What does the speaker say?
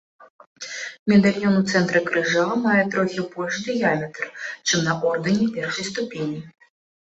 Медальён у цэнтры крыжа мае трохі большы дыяметр, чым на ордэне першай ступені.